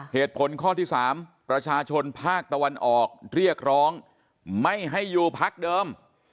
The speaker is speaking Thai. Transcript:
เหตุผลข้อที่๓ประชาชนภาคตะวันออกเรียกร้องไม่ให้อยู่พักเดิม